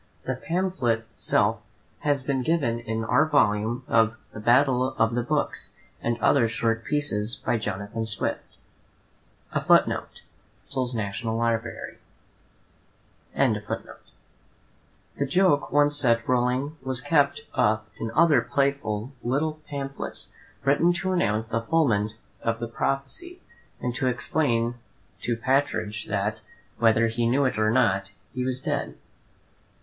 The pamphlet itself has been given in our volume of "The Battle of the Books, and other short pieces, by Jonathan Swift." * The joke once set rolling was kept up in other playful little pamphlets written to announce the fulfilment of the prophecy, and to explain to Partridge that, whether he knew it or not, he was dead.